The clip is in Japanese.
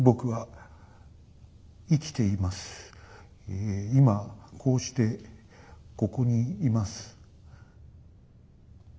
ええ今こうしてここにいます。